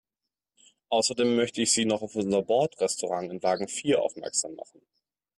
Außerdem möchte ich Sie noch auf unser Bordrestaurant in Wagen vier aufmerksam machen.